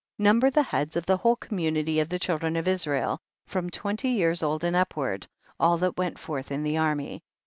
Number the heads of the whole community of the children of Israel, from twenty years old and upward, all that went forth in the army.